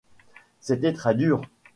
C'était très dur.